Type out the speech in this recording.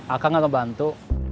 akan gak ngebantu